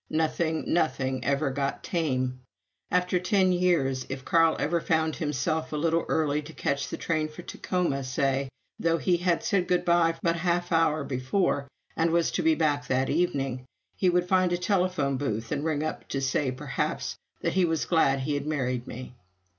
Nothing, nothing, ever got tame. After ten years, if Carl ever found himself a little early to catch the train for Tacoma, say, though he had said good bye but a half an hour before and was to be back that evening, he would find a telephone booth and ring up to say, perhaps, that he was glad he had married me!